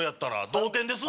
同点です！